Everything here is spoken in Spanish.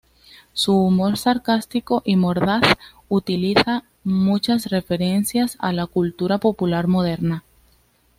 Su humor sarcástico y mordaz utiliza muchas referencias a la cultura popular moderna.